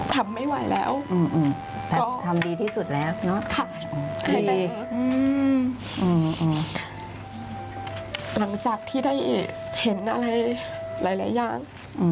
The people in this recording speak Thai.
ทำไม่ไหวแล้วก็ทำดีที่สุดแล้วเนาะหลังจากที่ได้เห็นอะไรหลายอย่าง